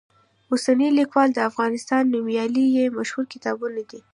اوسنی لیکوال، د افغانستان نومیالي یې مشهور کتابونه دي.